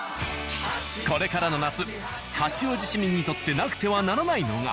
これからの夏八王子市民にとってなくてはならないのが。